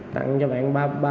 tặng cho bạn